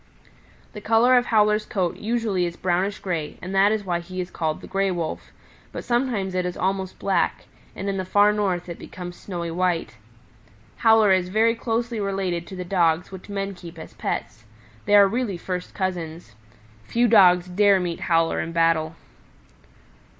"The color of Howler's coat usually is brownish gray and that is why he is called the Gray Wolf; but sometimes it is almost black, and in the Far North it becomes snowy white. Howler is very closely related to the Dogs which men keep as pets. They are really first cousins. Few Dogs dare meet Howler in battle."